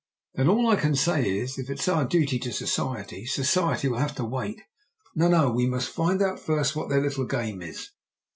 "Then all I can say is, if it is our duty to society, society will have to wait. No, no! We must find out first what their little game is.